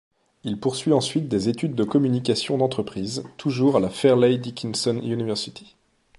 Il poursuit ensuite des études de communication d'entreprise toujours à la Fairleigh Dickinson University.